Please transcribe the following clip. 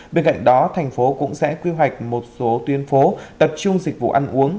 bên cạnh đó thành phố cũng sẽ quy hoạch một số tuyến phố tập trung dịch vụ ăn uống